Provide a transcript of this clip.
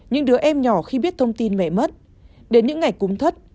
những đứa em nhỏ khi biết thông tin mẹ mất đến những ngày cúng thất